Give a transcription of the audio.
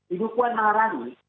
ibu puan maharani